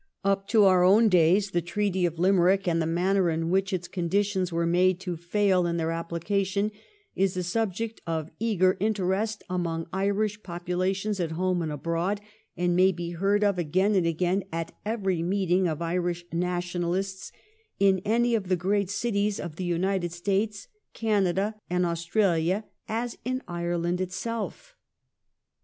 Up to our own days the Treaty of Limerick, and the manner in which its conditions were made to fail in their application, is a subject of eager interest among Irish populations at home and abroad, and may be heard of again and again at every meeting of Irish Nationalists in any of the great cities of the United States, Canada, and Austraha, as in Ireland itself.